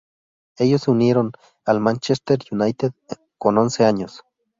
Ellos se unieron al Manchester United con once años.